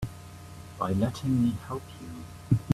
By letting me help you.